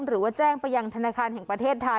หรือว่าแจ้งไปยังธนาคารแห่งประเทศไทย